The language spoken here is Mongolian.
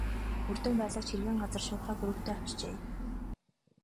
Мөрдөн байцаагч хэргийн газар шуурхай групптэй очжээ.